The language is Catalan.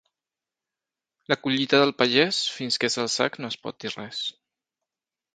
La collita del pagès, fins que és al sac no es pot dir res.